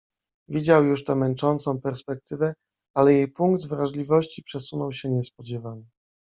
Widział już tę męczącą perspektywę, ale jej punkt wrażliwości przesunął się nie spodziewanie.